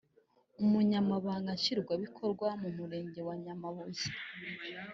Umunyamabanga Nshingwabikorwa w’Umurenge wa Nyamabuye